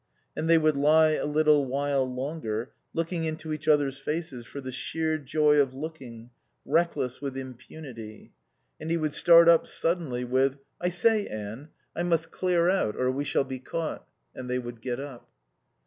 And they would lie a little while longer, looking into each other's faces for the sheer joy of looking, reckless with impunity. And he would start up suddenly with, "I say, Anne, I must clear out or we shall be caught." And they would get up.